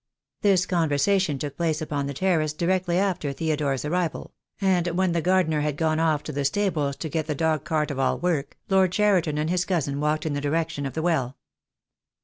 This conversation took place upon the terrace directly after Theodore's arrival; and when the gardener had gone off to the stables to get the dog cart of all work , Lord Cheriton and his cousin walked in the direction of the well.